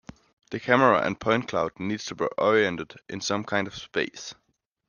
The camera and point cloud need to be oriented in some kind of space.